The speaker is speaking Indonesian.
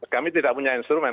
kami tidak punya instrumen